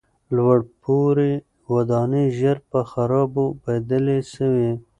لوړپوړي ودانۍ ژر په خرابو بدلې سوې.